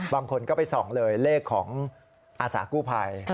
บางคนก็ไปส่องเลยเลขของอาสากู้ภัย